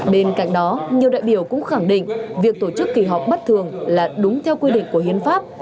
bên cạnh đó nhiều đại biểu cũng khẳng định việc tổ chức kỳ họp bất thường là đúng theo quy định của hiến pháp